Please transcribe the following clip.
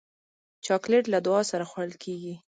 چاکلېټ له دعا سره خوړل کېږي.